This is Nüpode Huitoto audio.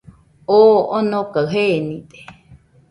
Oo onokaɨ jenide.